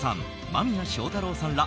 間宮祥太朗さんら